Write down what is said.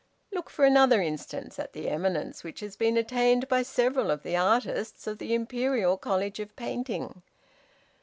Look for another instance at the eminence which has been attained by several of the artists of the Imperial College of Painting.